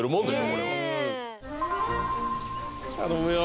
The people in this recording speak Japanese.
これは頼むよ！